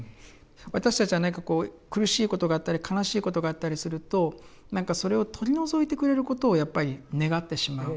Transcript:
私たちは何かこう苦しいことがあったり悲しいことがあったりするとそれを取り除いてくれることをやっぱり願ってしまう。